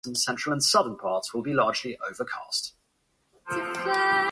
According to They Shoot Pictures, Don't They?